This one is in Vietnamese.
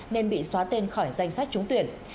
nên bị xóa tên khỏi danh sách trúng tuyển